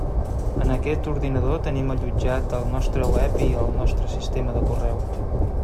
En aquest ordinador tenim allotjat el nostre web i el nostre sistema de correu.